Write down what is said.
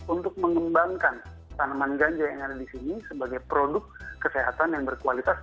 untuk mengembangkan tanaman ganja yang ada di sini sebagai produk kesehatan yang berkualitas